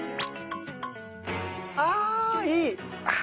あいい！